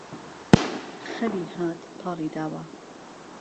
خەوی هات پاڵی داوه